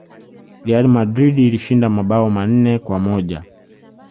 real madrid ilishinda mabao manne kwa moja